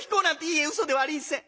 「いえうそではありんせん」。